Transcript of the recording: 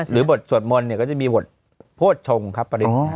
หรือบทสวดมนต์ก็จะมีบทโภชงครับประดิษฐ์